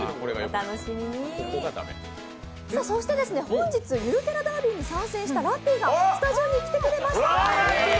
本日ゆるキャラダービーに参加したラッピーがスタジオに来てくれました。